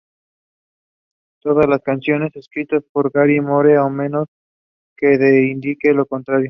Todas las canciones escritas por Gary Moore, a menos que de indique lo contrario.